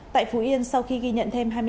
tại phú yên sau khi ghi nhận trường hợp mắc mới